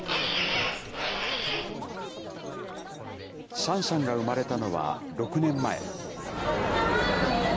シャンシャンが生まれたのは６年前。